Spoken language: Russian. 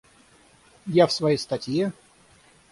Я в своей статье....